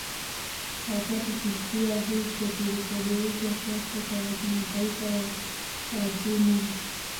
Wakati kisiwa hicho kilipogeuzwa kuwa soko la kimataifa la watumwa